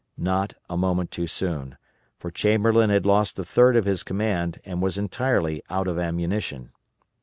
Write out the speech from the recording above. Not a moment too soon, for Chamberlain had lost a third of his command and was entirely out of ammunition.